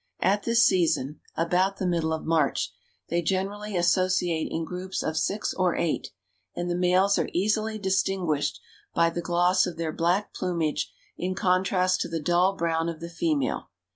At this season about the middle of March they generally associate in groups of six or eight, and the males are easily distinguished by the gloss of their black plumage in contrast to the dull brown of the female.